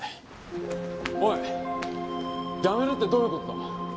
おい辞めるってどういう事だ？